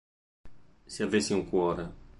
Se avessi un cuore